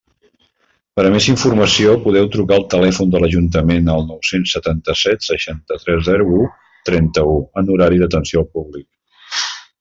Per a més informació podeu trucar al telèfon de l'Ajuntament, al nou-cents setanta-set, seixanta-tres, zero u, trenta-u, en horari d'atenció al públic.